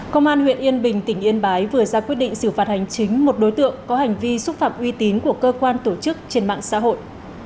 công an huyện yên bình tỉnh yên bái vừa ra quyết định xử phạt hành chính một đối tượng có hành vi xúc phạm uy tín của cơ quan tổ chức trên mạng xã hội